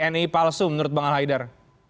ni palsu menurut bang al haidar